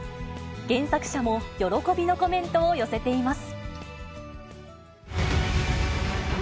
原作者も喜びのコメントを寄せています。